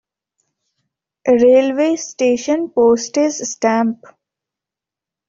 Railway station Postage stamp.